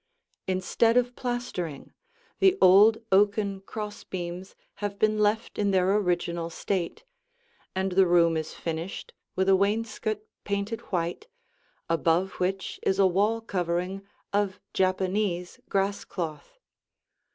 Instead of plastering, the old oaken cross beams have been left in their original state, and the room is finished with a wainscot painted white, above which is a wall covering of Japanese grass cloth.